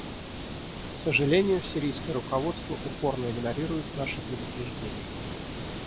К сожалению, сирийское руководство упорно игнорирует наши предупреждения.